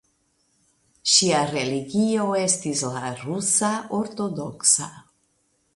Ŝia religio estis la Rusa Ortodoksa.